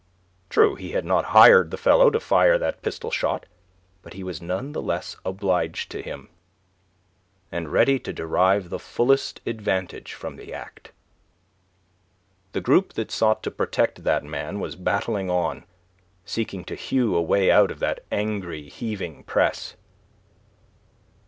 True, he had not hired the fellow to fire that pistol shot; but he was none the less obliged to him, and ready to derive the fullest, advantage from the act. The group that sought to protect that man was battling on, seeking to hew a way out of that angry, heaving press.